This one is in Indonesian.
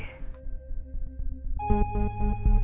gimana menurut a kang